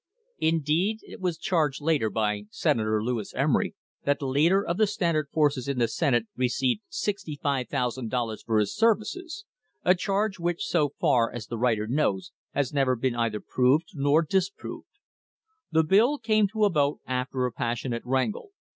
Indeed, it was charged later by Senator Lewis Emery that the leader of the Standard forces in the Senate received $65,000 for his services a charge which, so far as the writer knows, has never been either proved or disproved. The bill came to a vote after a passionate wrangle.